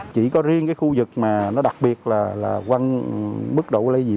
chỉ có riêng cái khu vực mà nó đặc biệt là mức độ lây nhiễm